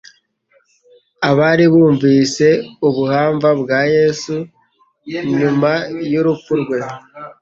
Abari bumvise ubuhamva bwa Yesu, nyuma y'urupfu rwe,